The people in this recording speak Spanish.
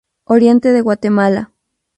Oriente de Guatemala.